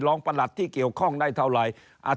ประหลัดที่เกี่ยวข้องได้เท่าไหร่